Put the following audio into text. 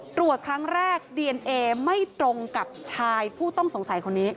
ตรวจครั้งแรกดีเอนเอไม่ตรงกับชายผู้ต้องสงสัยคนนี้